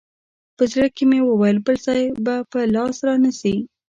په زړه کښې مې وويل بل ځاى به په لاس را نه سې.